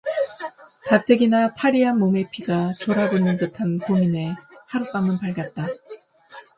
가뜩이나 파리한 몸의 피가 졸아붙는 듯한 고민의 하룻밤은 밝았다.